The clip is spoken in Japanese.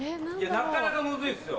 なかなかムズいっすよ。